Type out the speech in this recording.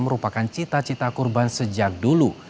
merupakan cita cita kurban sejak dulu